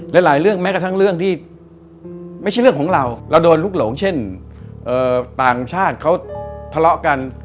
หลายเรื่องแม้กระทั่งเรื่องที่ไม่ใช่เรื่องของเราเราโดนลุกหลงเช่นต่างชาติเขาทะเลาะกัน